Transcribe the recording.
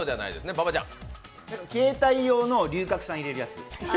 携帯用の龍角散入れるやつ。